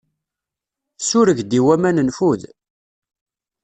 Sureg-d i waman nfud.